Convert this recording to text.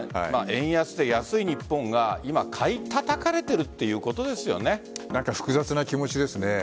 円安で安い日本が今、買いたたかれているなんか複雑な気持ちですね。